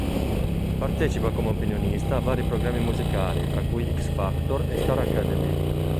Partecipa come opinionista a vari programmi musicali, tra cui X-Factor e Star Academy.